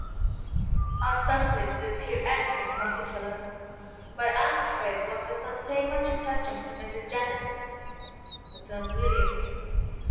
"I certainly did not hear anything particular, but I'm afraid one never does pay much attention to Mrs. Jennings," returned William.